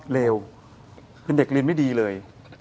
เลวคือเด็กเรียนไม่ดีเลย